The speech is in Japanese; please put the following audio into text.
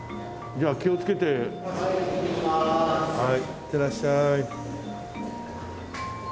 いってらっしゃい。